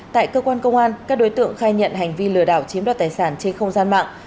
tại cơ quan công an các đối tượng khai nhận hành vi lừa đảo chiếm đoạt tài sản trên không gian mạng